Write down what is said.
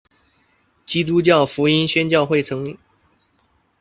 基督教福音宣教会创立。